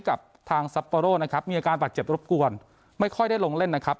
กับทางซัปโปโร่นะครับมีอาการบาดเจ็บรบกวนไม่ค่อยได้ลงเล่นนะครับ